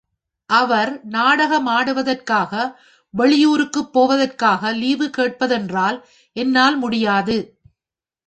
அவர் நாடகமாடு வதற்காக வெளியூருக்குப் போவதற்காக லீவு கேட்ப தென்றால், என்னால் முடியாது.